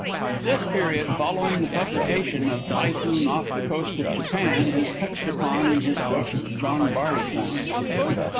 This period, following the publication of "Typhoon Off the Coast of Japan," is touched upon in his book "John Barleycorn."